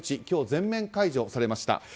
今日、全面解除されました。